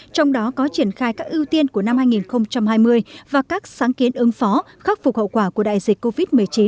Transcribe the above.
trong đó có triển khai các ưu tiên của năm hai nghìn hai mươi và các sáng kiến ứng phó khắc phục hậu quả của đại dịch covid một mươi chín